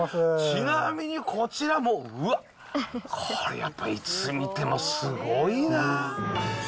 ちなみにこちらもうわっ、これやっぱいつ見てもすごいな。